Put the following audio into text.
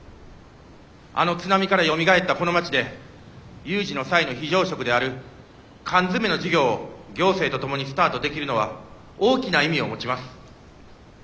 あの津波からよみがえったこの町で有事の際の非常食である缶詰の事業を行政と共にスタートできるのは大きな意味を持ちます。